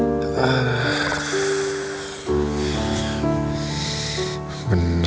bener kata kiki aku gak bisa tidur